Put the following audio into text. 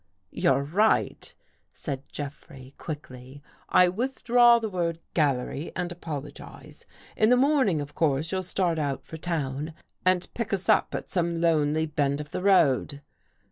" You're right," said Jeffrey, quickly. " I with draw the word ' gallery ' and apologize. In the morning, of course, you'll start out for town and pick us up at some lonely bend of the road."